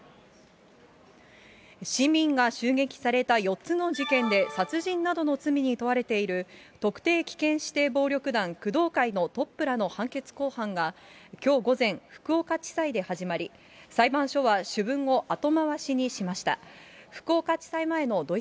市民が襲撃された４つの事件で殺人などの罪に問われている、特定危険指定暴力団工藤会のトップらの判決公判が、きょう午前、福岡地裁で始まり、裁判所は主文を後回しにしました。